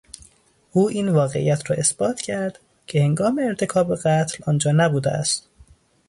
او این واقعیت را اثبات کرد که هنگام ارتکاب قتل آنجا نبوده است.